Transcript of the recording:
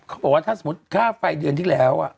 เขาบอกว่าถ้าสมมุติค่าไฟเดือนที่แล้ว